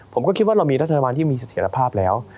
ผมก็คิดว่าเรามีรัฐบาลที่มีเสถียรภาพแล้ว